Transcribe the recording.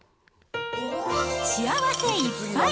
幸せいっぱい！